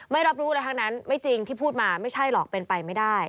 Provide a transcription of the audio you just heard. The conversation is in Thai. รับรู้อะไรทั้งนั้นไม่จริงที่พูดมาไม่ใช่หรอกเป็นไปไม่ได้